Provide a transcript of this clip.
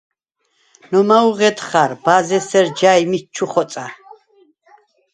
ნომა̄უ̂ ღედ ხა̄რ, ბა̄ზ’ე̄სერ ჯა მიჩ ჩუ ხოწა.